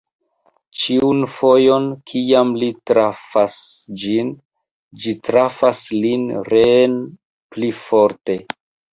Ĉiun fojon, kiam li trafas ĝin, ĝi trafas lin reen pli forte.